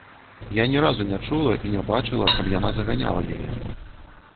Я ні разу не чула і не бачыла, каб яна заганяла яе.